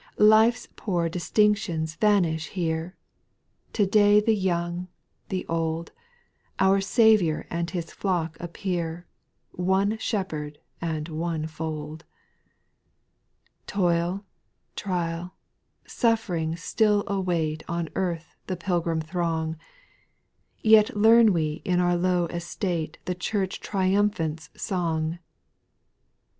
2. Life 's poor distinctions vanish here ;— To day the young, the old, Our Saviour and His flock appear, One Shepherd and one fold. 8. Toil, trial, suffering still await On earth the pilgrim throng ; Yet learn we in our low estate The Church triumphant's song.